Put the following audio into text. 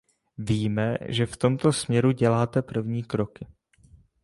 Víme, že v tomto směru děláte první kroky.